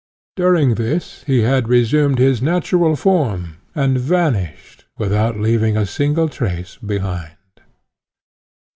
During this, he had resumed his natural form, and vanished without leaving a single trace behind.